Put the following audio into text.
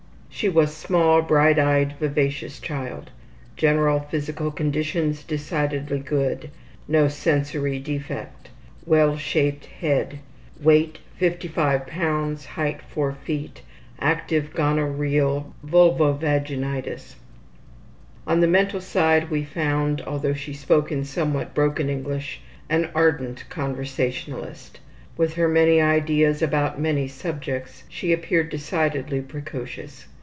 She was a small, bright eyed, vivacious child. General physical conditions decidedly good. No sensory defect. Well shaped head. Weight 55 lbs.; height 4 ft. Active gonorrheal vulvovaginitis. On the mental side we found, although she spoke in somewhat broken English, an ardent conversationalist. With her many ideas about many subjects, she appeared decidedly precocious.